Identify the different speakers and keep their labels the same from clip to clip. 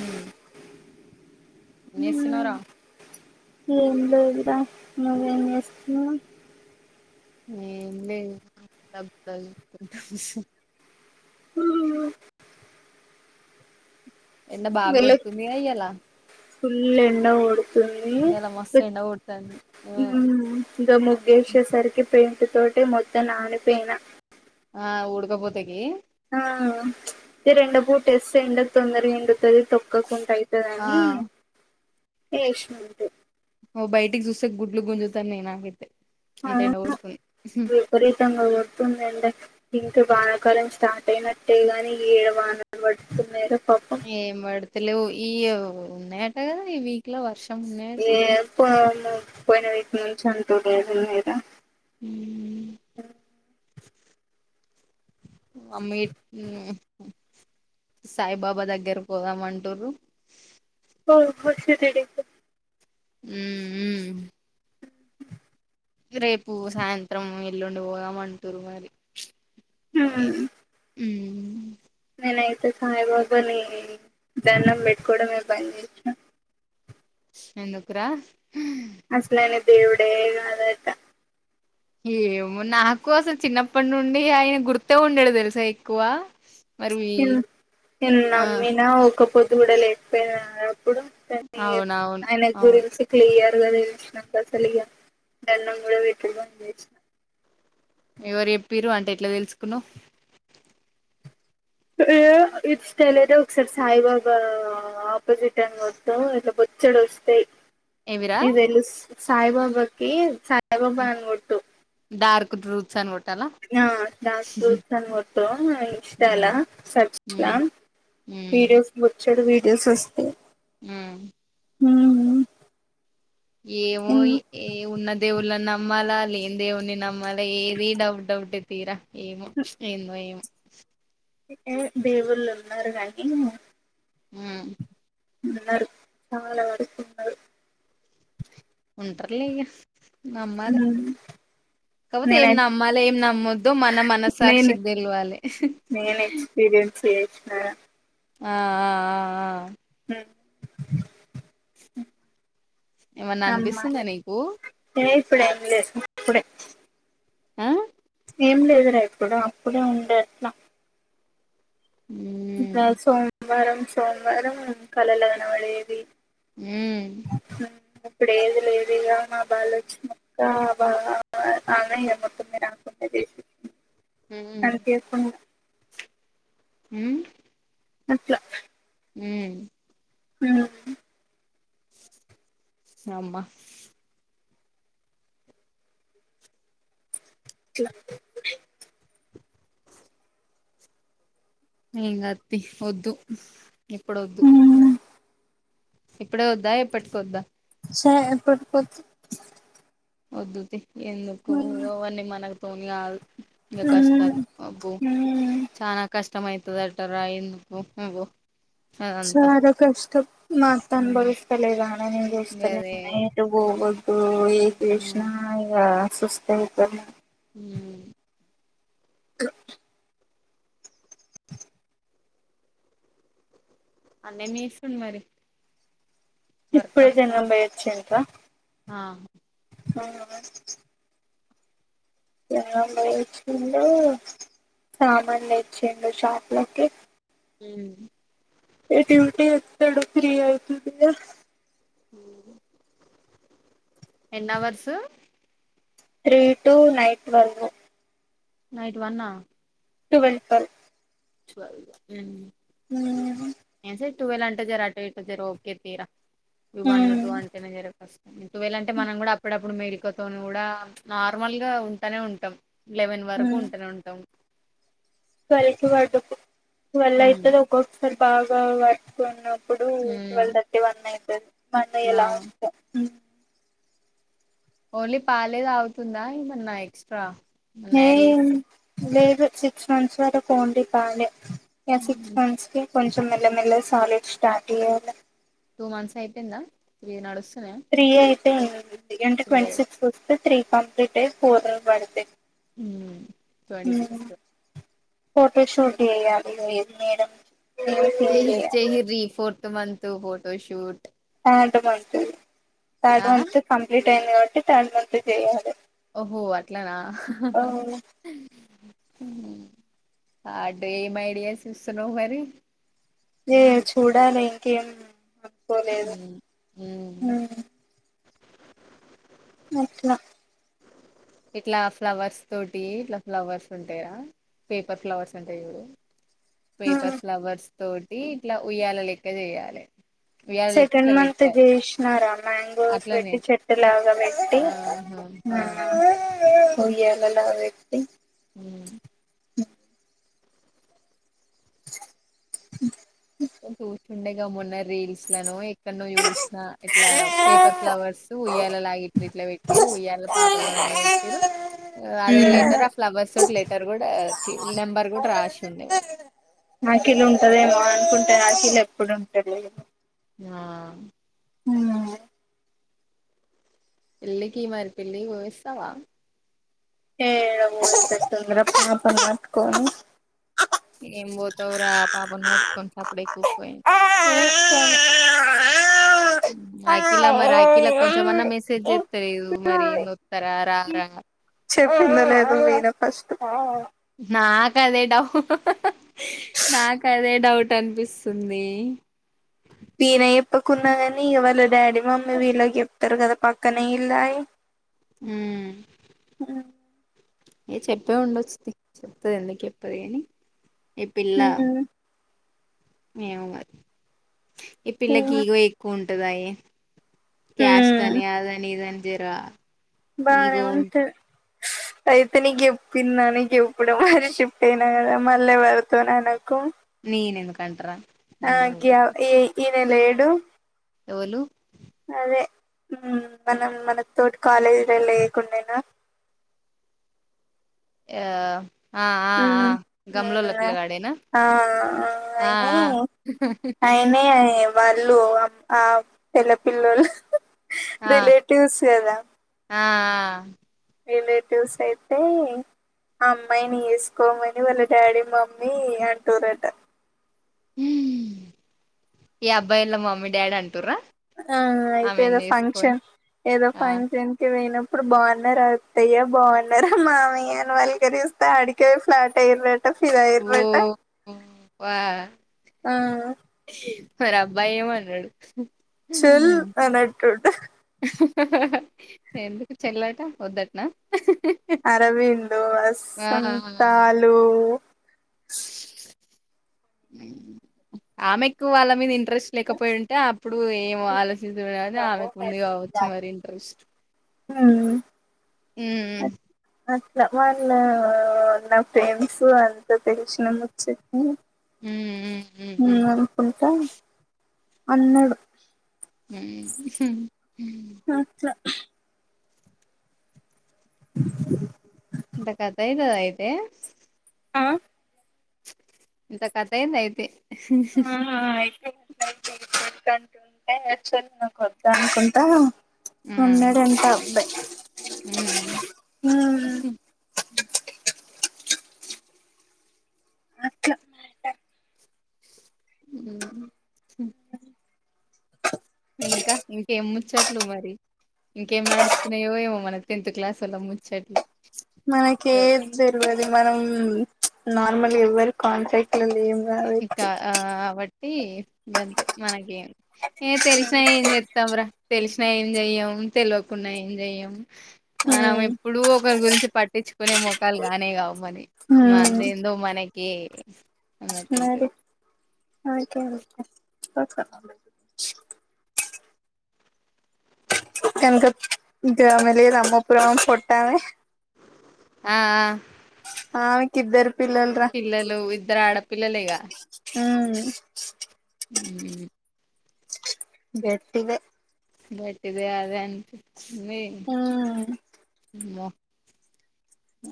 Speaker 1: ఊ ఏం చేస్తున్నావురా
Speaker 2: ఏం లేదురా నువ్వేం చేస్తున్నావ్
Speaker 1: ఏం లేదు [unintelligible]
Speaker 2: [unintelligible]
Speaker 1: ఎండ బాగా
Speaker 2: వెళ్ళి
Speaker 1: కొడుతుంది కదా ఇయ్యాల
Speaker 2: ఫుల్ ఎండ గోడుతుంది
Speaker 1: ఇయ్యాల మస్తు ఎండ కొడుతాంది
Speaker 2: ఉ ఇంక ముగ్గు ఏసేసరికి పెయింట్ తోటి మొత్తం నానిపోయిన
Speaker 1: ఆ ఊడకపోతకి
Speaker 2: ఆ ప్చ్ జర ఎండ పూట ఏస్తే ఎండకు తొందరగా ఎండుతది తొక్కు కోకుంటా అయితది
Speaker 1: ఆ
Speaker 2: అని ఏసినా అంతే
Speaker 1: ఓ బయటకు చూస్తే గుడ్లు గుంచుతా ఉన్నాయి నాకీ అయితే అంత ఎండ కొడుతుంది ఉహు
Speaker 2: ఇపిరితంగా కొడుతుంది ఎండ ఇంకా వానకాలం స్టార్ట్ అయినట్టే గాని ఏడ వానలు పడుతున్నారా పాపం
Speaker 1: ఏం పడుతలేవు ఈ ఉన్నాయంట కదా ఈ వీక్ లో వర్షం ఉన్నాయట
Speaker 2: [unintelligible] పోయినా వీక్ నుంచి [unintelligible]
Speaker 1: అమీ ఉ సాయిబాబా దగ్గరికి పోదాం అంటుర్రు
Speaker 2: ఓ [unintelligible]
Speaker 1: ఉ ఉ రేపు సాయంత్రం ఎల్లుండి పోదాం అంటుండ్రు మరి ప్చ్ ఎన్
Speaker 2: హ్మ్.
Speaker 1: ఉ
Speaker 2: నేనైతే సాయిబాబాని దండం పెట్టుకోవడమే భయం [unintelligible]
Speaker 1: ఎందుకు రా హా
Speaker 2: అసలు ఆయన దేవుడే కాదంట
Speaker 1: ఏమో నాకు అసలు చిన్నప్పటి నుండి ఆయనే గుర్తే ఉండడు తెలుసా ఎక్కువ మరి
Speaker 2: ఇన్ ఎన్
Speaker 1: ఆ
Speaker 2: నమ్మినా ఒక్క పోదు కూడా లేకపోయినా అప్పుడు తన్ని ఏప్
Speaker 1: అవునవును
Speaker 2: ఆయన
Speaker 1: అవును
Speaker 2: గురించి క్లియర్ గా తెలిసినంత అస్సలు ఇగ దండం కూడా పెట్టడం బంద్ చెస్
Speaker 1: ఎవరు చెప్పిర్ రు అంటే ఎట్లా తెలుసుకున్నావ్
Speaker 2: ఏమో ఇన్స్టాలోనే ఒక్కసారి సాయిబాబా ఆపోజిట్ ఆన్ కోడ్ బొచ్చెడు వస్తాయి
Speaker 1: [inaudible]
Speaker 2: ఇదేలూస్ సాయిబాబాకి సాయిబాబా అని కొట్టు
Speaker 1: డార్క్ ట్రూత్స్ ఆన్ కో
Speaker 2: ఆ డార్క్ ట్రూత్స్ అని కొట్టు ఆ ఇన్స్టాల సెర్చ్ ల
Speaker 1: ఉ
Speaker 2: వీడియోస్ బొచ్చెడు వీడియోస్ వస్తాయి
Speaker 1: ఉ
Speaker 2: ఉ ఉ
Speaker 1: ఏమో ఇ ఏ ఉన్న దేవుళ్ల నీ నమ్మాలా లేని దేవుడిని నమ్మాలా ఏది డౌట్ డౌటే తీరా ఏమో ఏందో ఏమో
Speaker 2: ఇ ఏ దేవుళ్ళు ఉన్నారు కానీ
Speaker 1: ఊ
Speaker 2: ఉన్నాడు చాలా వరకున్నాడు
Speaker 1: ఉంటర్లే ఇగ నమ్మాలి
Speaker 2: ఊ
Speaker 1: కాకపోతే ఏం నమ్మాలి ఏం నమ్మొద్దో మన
Speaker 2: నేను
Speaker 1: మనసాక్షికి తెలవాలె
Speaker 2: నేను ఎక్స్పీరియన్స్ చేసినాగ
Speaker 1: ఆ ఆ ఆ ఆ
Speaker 2: హు
Speaker 1: ఏమన్న అనిపిస్తుంద నీకూ
Speaker 2: తినేస్ ఇప్పుడే ఏంలే ఇప్పుడే
Speaker 1: ఆ
Speaker 2: ఏం లేదురా ఇప్పుడా అప్పుడే అంటే ఎట్లా
Speaker 1: ఉ
Speaker 2: ఇకా సోమవారం సోమవారం కళలో కనబడేది
Speaker 1: ఊ
Speaker 2: హుం ఇప్పుడు ఏది లేదిగా మావాళ్ళు వచ్చినంకా అబా ఆమే ఎవరికున్నది ఆమెకుంటది
Speaker 1: ఊ హుం
Speaker 2: అట్లా
Speaker 1: ఊ
Speaker 2: ఊ
Speaker 1: ఏమ్మా
Speaker 2: ఇట్ల అంది
Speaker 1: ఏం కాదు తీ వద్దు ఇప్పుడు వద్దు.
Speaker 2: ఉమ్,
Speaker 1: ఇప్పుడే వద్దా ఎప్పటికి వద్దా.
Speaker 2: సో ఎప్పుడు పొద్దు
Speaker 1: వద్దు తీ ఎందుకో
Speaker 2: ఉమ్,
Speaker 1: అవన్నీ మనకు తోని కాదు ఇంగ కష్టాలు అబ్బో
Speaker 2: ఉమ్,
Speaker 1: చా కష్టం అయితది అంటరా ఎందుకో నువ్వో
Speaker 2: చాలా కష్టం మా అత్త
Speaker 1: ఉమ్
Speaker 2: అనుభవిస్త లేదా అని నేనేం చేస్తానే
Speaker 1: గదే
Speaker 2: నేన్ ఎటు పోవద్దూ ఏం చేసినా
Speaker 1: మ్మ్
Speaker 2: ఇకా సుస్తి అయితను
Speaker 1: హమ్
Speaker 2: గ
Speaker 1: అన్న ఏం చేస్తుండు మరి వర్కా
Speaker 2: ఇప్పుడే జనం బాగొచ్చిండ్రా
Speaker 1: ఆ
Speaker 2: నైనా అప్పుడే ఎన్ని రోజులు పోయిచ్చిండూ సామాన్లు తెచ్చిండు షాప్లకి.
Speaker 1: మ్
Speaker 2: ఏ డ్యూటీ ఎక్కుతాడు త్రి అయితుంది గా
Speaker 1: ఊ ఎన్ని hours
Speaker 2: three two night twelve
Speaker 1: night వన్నా
Speaker 2: టువెల్ టువెల్
Speaker 1: టువెల్
Speaker 2: ఉ
Speaker 1: ఏం సార్ టువెల్ అంటే జరరా అటువట్ జార ఓకే తీరా ఇ వన్ టూ అంటేనే జరగస్తా టువెల్ అంటే మనం కూడా అప్పుడప్పుడు మేరిక త కూడా నార్మల్గా ఉంటనే ఉంటాం లెవెన్ వరకు ఉంటనే ఉంటాం
Speaker 2: టువెల్కి పడుకు టువెల్
Speaker 1: ఉమ్
Speaker 2: అయితుంది ఒక్కొక్కసారి బాగా వర్కునప్ ఇప్పుడు ట్వల్వ్
Speaker 1: ఉమ్
Speaker 2: థర్టీ వన్ అయితది మన్
Speaker 1: ఆ
Speaker 2: ఎలా వస్త
Speaker 1: ఓన్లీ పాలే తాగుతుందా ఏమన్నా ఎక్స్ట్రా ఏమన్నా
Speaker 2: హే
Speaker 1: యాడ్ చేసి
Speaker 2: లేదు సిక్స్ మంత్స్ వరకు ఓన్లీ పాలే ఇ సిక్స్ మంత్స్ కి కొంచెం మెల్లమెల్ల సాలిడ్ స్టార్ట్ చేయాల్ల
Speaker 1: టూ మంత్స్ అయిపోయిందా ఇ నడుస్తున్నా
Speaker 2: త్రీ అయితే ఏం అంటే ట్వంటీ సిక్స్ త్తే త్రీ కంప్లీట్ అయ్యి ఫోర్ పడత
Speaker 1: ఉ
Speaker 2: ఫోటో షూట్ ఏయాలి మీరు మేడం థీమ్
Speaker 1: చేయి
Speaker 2: చేయాలి
Speaker 1: చేయిరి fourth month photoshoot
Speaker 2: third month third
Speaker 1: ఆ
Speaker 2: మంత్ కంప్లీట్ అయింది కాబట్టి థర్డ్ మంత్ చేయాలి
Speaker 1: ఓహో అట్లానా హహ అడే ఏం ఐడియా సిస్తున్నావు మరి
Speaker 2: లే చూడాలి ఇంకేం అనుకోలేదు
Speaker 1: ఉమ్, ఉమ్.
Speaker 2: ఉ అట్లా
Speaker 1: ఇట్లా ఫ్లవర్స్ తోటి ఇట్లా ఫ్లవర్స్ ఉంటయా పేపర్ ఫ్లవర్స్ ఉంటాయి చూడు పేపర్ ఫ్లవర్స్ తోటి ఇట్లా ఉయ్యాల లెక్క చేయాలె
Speaker 2: సెకండ్ మంత్ జేసినారా మ్యాంగోస్
Speaker 1: అట్లనే
Speaker 2: పెట్టి చెట్టులాగా పెట్టి
Speaker 1: ఆహా ఆ
Speaker 2: హగి అలలా వెట్టి
Speaker 1: అవు
Speaker 2: అ [inaudible]
Speaker 1: చూసిండేగా మొన్న రీల్స్ లను ఎక్కన్నో చూసిన ఇట్లా పేపర్ ఫ్లవర్స్ ఉయ్యాలలా ఇట్లా పెట్రు ఉయ్యాల పాపల పండ పెట్టిరు అదే లెటర్ ఫ్లవర్స్ తోటి లెటర్ కూడా నెంబర్ కూడా రాసి ఉండేవాళ్
Speaker 2: అఖిల్ ఉంటదేమో అనుకుంటే అఖిల్ ఎప్పుడుంటలే
Speaker 1: ఆ
Speaker 2: ఉ
Speaker 1: పెళ్లికి మరి పెల్లి పోయిస్తా
Speaker 2: ఏ ఊ చంద్ర పాపన్ పట్కో
Speaker 1: ఏం పోతావురా పాపం మట్కొ సపడే కూక్యి అఖీలా మరి అఖీలా కొంచమన్నా మెసేజ్ జేత్తలేదు మరి నొత్తరా రారా
Speaker 2: చెపొ ఉంద లేద మీన ఫస్ట్
Speaker 1: నాకు అదే డౌ నాకు అదే డౌట్ అనిపిస్తుంది
Speaker 2: వీన ఇప్పుకున్నా కాని వాళ డాడీ మమ్మీ వీళ్ళకి జెప్తరు కదా పక్కనే ఇల్ అని
Speaker 1: హ్మ్ ఏ చెప్పే ఉండొచ్చు చెప్తది ఎందుకు చెప్పది కాని ఈ పిల్ల ఏమో మరి ఈ పిల్లకి ఈగో ఎక్కువ ఉంటదయి క్యాస్ట్
Speaker 2: ఉమ్
Speaker 1: అని అదని ఇద అని జరా
Speaker 2: బానే ఉంటది అయితే నీకు చెప్పన్నానే నీకు చెప్పడం మరిచిపోయిన గదా మళ్ళ ఎవల్తోననకు
Speaker 1: నేనెందుకంటరా!
Speaker 2: ఆ
Speaker 1: నేనే
Speaker 2: గ్యావ్
Speaker 1: ఊకోవద్దు
Speaker 2: ఈనే లేడు
Speaker 1: ఎవలు
Speaker 2: అదే మనం మన తోటి కాలేజీల లేయకుండేనా!
Speaker 1: యా ఆ ఆ ఆ
Speaker 2: మ్మ్ మ్మ్
Speaker 1: గమ్ములొల్లపిలగాడేనా
Speaker 2: ఆ
Speaker 1: ఆ
Speaker 2: అయినే
Speaker 1: ఆ
Speaker 2: ఆయనే వాళ్ళు ఆమ్ ఆ పెళ్ళ పిల్లొల్లు
Speaker 1: ఆ ఆ
Speaker 2: రిలేటివ్స్ గదా!
Speaker 1: ఆ ఆ
Speaker 2: రిలేటివ్స్ అయితే ఆ అమ్మాయిని చేసుకోమని వాళ్ళ డాడీ మమ్మీ అంటురట
Speaker 1: ఊ ఈ అబ్బాయేళ్ళ మమ్మీ డాడీ అంటుర్ర
Speaker 2: ఆ అయితే ఏదో ఫంక్షన్ ఏదో
Speaker 1: ఆ
Speaker 2: ఫంక్షన్ మీరు బోయినప్పుడు బావున్నారా అత్తయ్య బావున్నారా మామయ్య అని పలకరిస్థా ఆడికే ఫ్లాట్ అయినట్టు ఫిదా ఐయిర్రాంట
Speaker 1: ఉ వా
Speaker 2: ఆ
Speaker 1: మరి అబ్బాయి ఏమన్నడు.
Speaker 2: చెల్ అనంటుండు.
Speaker 1: ఎందుకు చెల్లట వద్దటనా!
Speaker 2: అరవిందు
Speaker 1: ఆ
Speaker 2: అస్సంతాలు.
Speaker 1: ఆమె ఎక్కువాళ్ళ మీద ఇంట్రెస్ట్ లేకపోయింటే అప్పుడు ఏమో నువ్వు ఆలోచించలే కాబట్టి ఆమెకు కుంది కావచ్చు మరి ఇంట్రెస్ట్
Speaker 2: హ
Speaker 1: ఉ ఊ
Speaker 2: అట్లా వాళ్ళ నా ఫ్రెండ్స్ అంతా తెలిశిన ఒచ్చి
Speaker 1: ఊ... ఊ..
Speaker 2: ఊ అనుకుంటా అన్నడు.
Speaker 1: ఊ ఉ ఊ
Speaker 2: అట్లా
Speaker 1: ఇంత కత్తెయితదా అయితే
Speaker 2: ఆ
Speaker 1: ఇంత కథయింది అయితే
Speaker 2: ఆ అయితే అట్లయితేంటూంటే యాక్చువల్ గా నాక్ ఒద్దనుకుంటా! ఉన్నడంటావ్ అబ్బాయి.
Speaker 1: ఉ
Speaker 2: హ్మ్ అట్లా ఆ
Speaker 1: ఉ
Speaker 2: అ
Speaker 1: ఇంకా ఇంకేము ముచ్చట్లు మరి ఇంకేం నడుస్తున్నాయో ఏమో మన టెన్త్ క్లాస్ వల్ల ముచ్చట్లు
Speaker 2: మనకి
Speaker 1: యో,
Speaker 2: ఏద్ తెల్వదు మనం నార్మల్ ఎవ్వరి కాంట్ర్రాక్ట్ ఎట్లుంది
Speaker 1: ఇంకా
Speaker 2: ఏంతి
Speaker 1: ఆ కాబట్టి గంతే మనకేం ఏ తెలిసినా ఏం చెప్తాంరా తెలిసినా ఏం చెయ్యం తెల్వకుండా ఏం చెయ్యం మనం
Speaker 2: హ్మ్
Speaker 1: ఎప్పుడూ ఒకరి గురించి పట్టించుకునే ముఖాలు గానే కావు మని
Speaker 2: హ్మ్
Speaker 1: అందేందొ మనకి
Speaker 2: అదే ఓకే ఓకే సంకత్ ఇంక అమే లేదు అమ్మపుర పొట్టమే
Speaker 1: ఆ ఆ
Speaker 2: ఆమెకిద్దరు పిల్లలరా
Speaker 1: పిల్లలు ఇద్దరు ఆడపిల్లలేగా
Speaker 2: మ్
Speaker 1: మ్
Speaker 2: గట్టివే
Speaker 1: బట్టివే అదే అనిపిచింది
Speaker 2: హ్మ్
Speaker 1: ఉమ్మో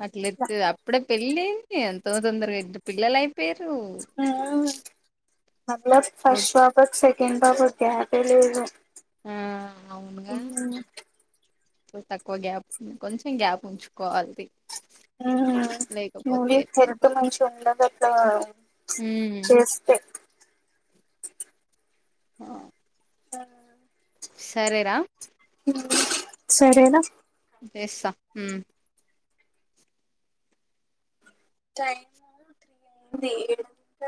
Speaker 1: మట్లతే అప్పుడే పెళ్ళి ఎంతో తొందరగా ఇద్దరు పిల్లలై పేరు
Speaker 2: అవును మల
Speaker 1: ఓ-
Speaker 2: ఫస్ట్ హాఫ్ సెకండ్ హాఫ్ గ్యాపే లేదు
Speaker 1: ఆ అవునుగా
Speaker 2: మ్మ్
Speaker 1: తక్కువ గ్యాప్ ఉ కొంచెం గ్యాప్ ఉంచుకోవాలి తి
Speaker 2: మ్ నువ్వే హెల్త్ మంచి ఉండదుట్లా
Speaker 1: ఉమ్.
Speaker 2: చేస్తే
Speaker 1: ఆ
Speaker 2: ఆ
Speaker 1: సరేరా
Speaker 2: సరేనా
Speaker 1: బేస్తా
Speaker 2: టైమ్ త్రీ అయింది ఏడు